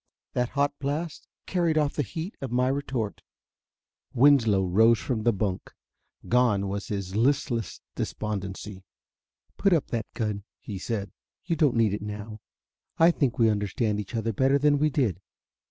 That hot blast carried off the heat of my retort." Winslow rose from the bunk. Gone was his listless despondency. "Put up that gun," he said: "you don't need it now. I think we understand each other better than we did."